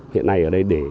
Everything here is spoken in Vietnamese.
hiện nay ở đây để